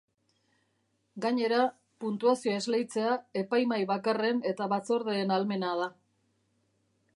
Gainera, puntuazioa esleitzea epaimahai bakarren eta batzordeen ahalmena da.